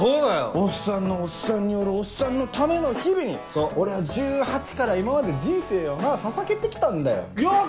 おっさんのおっさんによるおっさんのための日々に俺は１８から今まで人生をなささげて来たんだよ。よっ！